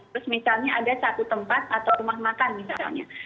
terus misalnya ada satu tempat atau rumah makan misalnya